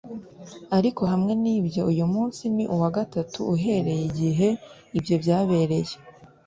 ariko hamwe n'ibyo, uyu munsi ni uwa gatatu uhereye igihe ibyo byabereye."